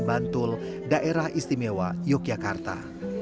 bantul daerah istimewa yogyakarta